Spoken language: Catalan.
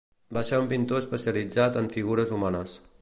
Va ser un pintor especialitzat en figures humanes.